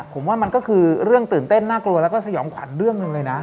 ผมว่ามันก็คือเรื่องตื่นเต้นน่ากลัวแล้วก็สยองขวัญเรื่องหนึ่งเลยนะ